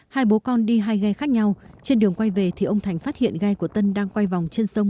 hai bố con đi hai ghe khác nhau trên đường quay về thì ông thành phát hiện ghe của tân đang quay vòng trên sông